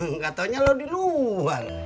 nggak taunya lo di luar